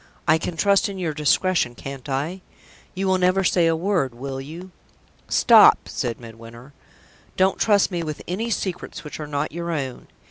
I can trust in your discretion, can't I? You will never say a word, will you?" "Stop!" said Midwinter. "Don't trust me with any secrets which are not your own.